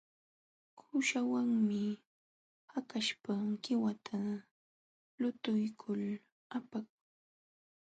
Kuuśhawanmi hakaśhpa qiwata lutuykul apakun.